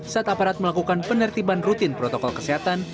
saat aparat melakukan penertiban rutin protokol kesehatan